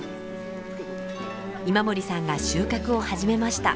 今森さんが収穫を始めました。